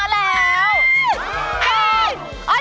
เฮ้ย